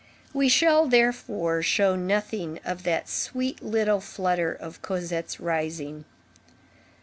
We shall, therefore, show nothing of that sweet little flutter of Cosette's rising.